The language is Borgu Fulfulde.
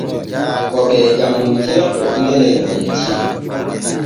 Ko ɓee ƴamontira to ume ne nandiri.